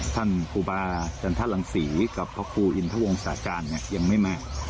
ครูบาจันทรังศรีกับพระครูอินทวงศาจารย์เนี่ยยังไม่มาก